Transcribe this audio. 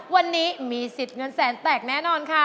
วันนี้มีสิทธิ์เงินแสนแตกแน่นอนค่ะ